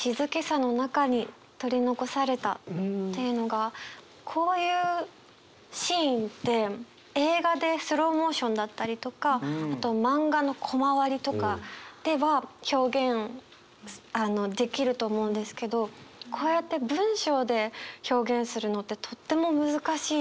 というのがこういうシーンで映画でスローモーションだったりとかあと漫画のコマ割りとかでは表現できると思うんですけどこうやって文章で表現するのってとても難しいことだなと思って。